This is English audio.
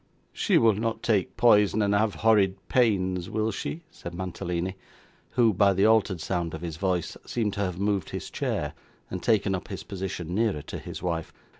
'She will not take poison and have horrid pains, will she?' said Mantalini; who, by the altered sound of his voice, seemed to have moved his chair, and taken up his position nearer to his wife.